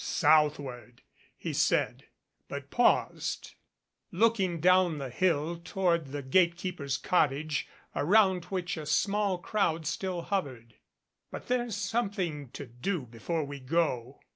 "Southward," he said, but paused, looking down the hill toward the gate keeper's cottage around which a small crowd still hovered. "But there's something to do before we go."